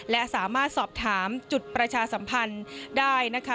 และสามารถสอบถามจุดประชาสัมพันธ์ได้นะคะ